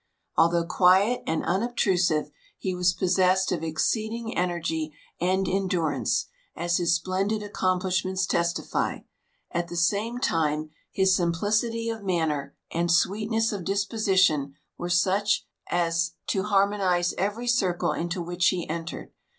Altliough cpiiet and unobtrusive, he was possessed of exceeding energy and endurance, as his splendid accomplishments testify; at the same time his simplicity of manner and sweetness of disposition were such as to harmonize every circle into which he entered.